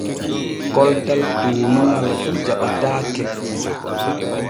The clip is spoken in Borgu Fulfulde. Koltal tuunuŋal fu jaɓataake.